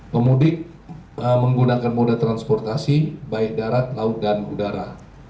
pemudik menggunakan moda transportasi baik darat laut dan udara